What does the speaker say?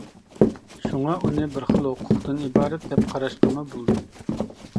شۇڭا ئۇنى بىر خىل ھوقۇقتىن ئىبارەت دەپ قاراشقىمۇ بولىدۇ.